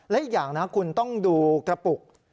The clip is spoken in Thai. และอีกอย่างนะคุณต้องดูกระปุก